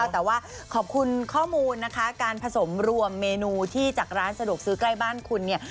แต่ว่าขอบคุณข้อมูลนะคะการผสมรวมเมนูที่จากร้านสะดวกซื้อใกล้บ้านคุณเนี่ย